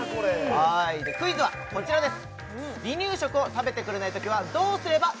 クイズはこちらです